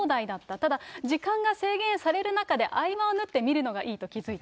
ただ、時間が制限される中で合間を縫って見るのがいいと気付いた。